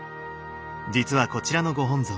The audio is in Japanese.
実はこちらのご本尊